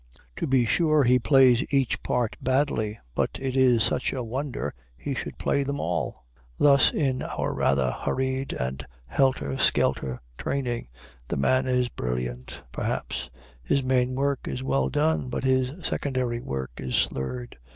To be sure, he plays each part badly, but it is such a wonder he should play them all! Thus, in our rather hurried and helter skelter training, the man is brilliant, perhaps; his main work is well done; but his secondary work is slurred.